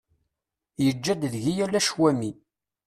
Yeǧǧa-d deg-i ala ccwami.